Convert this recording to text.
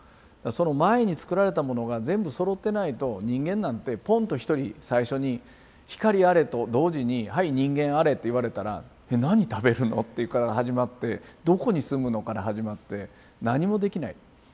その前につくられたものが全部そろってないと人間なんてポンと一人最初に「光あれ」と同時に「はい人間あれ」って言われたら何食べるの？っていうのから始まってどこに住むの？から始まって何もできない。